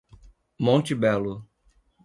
Monte Belo